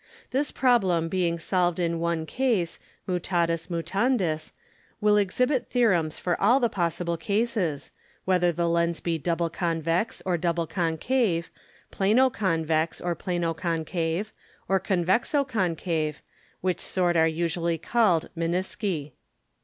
This Problem being solved in one Case, mutatis mutandis, will exhibit Theorems for all the possible Cases, whether the Lens be Double Convex or Double Concave, Plano Convex, or Plano Concave, or Convexo Concave, which sort are usually call'd Menisci.